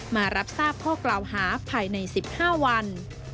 มารับทราบข้อกล่าวหาภายใน๑๕วัน